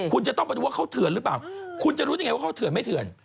คุณจะต้องไปดูว่าเขาเถื่อนหรือเปล่าคุณจะรู้ยังไงว่าเขาเถื่อนไม่เถื่อน